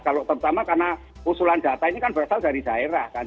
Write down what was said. kalau terutama karena usulan data ini kan berasal dari daerah kan